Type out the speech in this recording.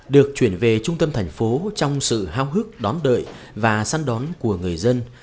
được chuyển về trung tâm thành phố trong sự hao hức đón đợi và săn đón của người dân